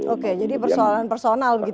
oke jadi persoalan personal